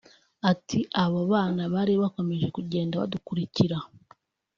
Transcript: Ati “Abo bana bari bakomeje kugenda badukurikira